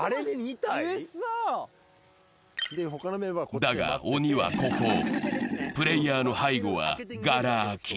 だが、鬼はここ、プレイヤーの背後はがら空き。